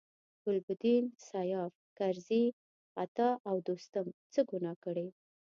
ګلبدین، سیاف، کرزي، عطا او دوستم څه ګناه کړې.